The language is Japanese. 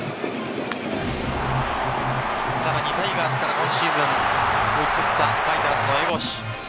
さらにタイガースから今シーズン移ったファイターズの江越。